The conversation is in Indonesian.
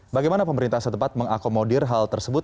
bagaimana pemerintah setempat mengakomodir hal tersebut